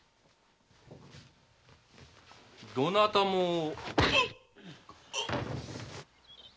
どなたも。